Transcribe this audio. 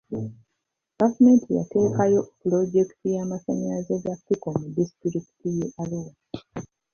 Gavumenti yateekayo pulojekiti y'amasanyalaze ga pico mu disitulikiti ye Arua.